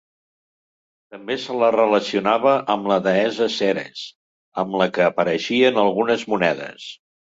També se la relacionava amb la deessa Ceres, amb la que apareixia en algunes monedes.